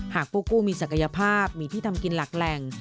ผู้กู้มีศักยภาพมีที่ทำกินหลักแหล่ง